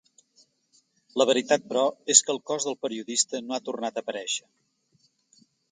La veritat, però, és que el cos del periodista no ha tornat a aparèixer.